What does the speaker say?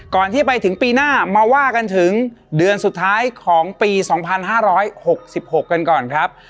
ก่อนที่ไปถึงปีหน้ามาว่ากันถึงเดือนสุดท้ายของปีสองพันห้าร้อยหกสิบหกกันก่อนครับ